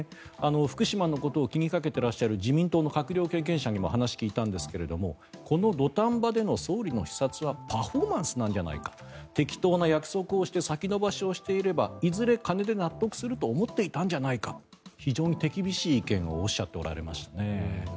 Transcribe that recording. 福島のことを気にかけてらっしゃる自民党の閣僚経験者にも話を聞いたんですがこの土壇場での総理の視察はパフォーマンスなんじゃないか適当な約束をして先延ばしをしていればいずれ金で納得すると思っていたんじゃないか非常に手厳しい意見をおっしゃっておられましたね。